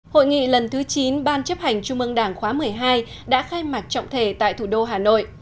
hội nghị lần thứ chín ban chấp hành trung ương đảng khóa một mươi hai đã khai mạc trọng thể tại thủ đô hà nội